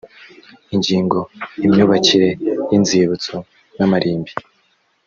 ingingo ya imyubakire y inzibutso n amarimbi